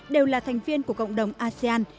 đều là thành viên của cộng đồng asean